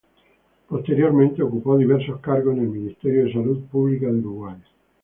Posteriormente ocupó diversos cargos en el Ministerio de Salud Pública de Uruguay.